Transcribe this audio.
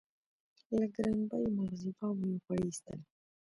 له ګرانبیو مغزبابو یې غوړي اېستل.